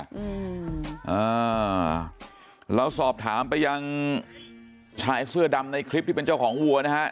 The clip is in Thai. อืมอ่าเราสอบถามไปยังชายเสื้อดำในคลิปที่เป็นเจ้าของวัวนะฮะ